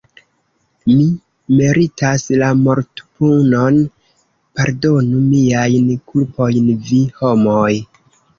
Mi meritas la mortpunon, pardonu miajn kulpojn vi, homoj!